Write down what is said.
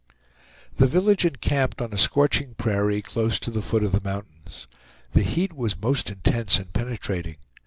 The village encamped on a scorching prairie, close to the foot of the mountains. The beat was most intense and penetrating.